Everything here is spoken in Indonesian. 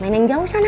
main yang jauh sana